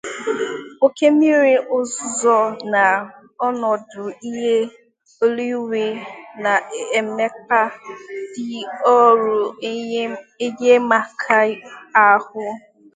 Oke mmiri ozuzo na ọnọdụ ihu eluigwe na-emekpa ndị ọrụ enyem aka ahụ.